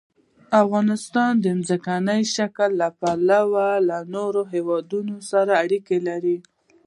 افغانستان د ځمکني شکل له پلوه له نورو هېوادونو سره اړیکې لري.